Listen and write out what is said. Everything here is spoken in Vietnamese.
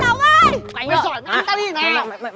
mày giỏi mấy anh tao đi nè